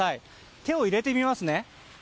手を入れてみますね。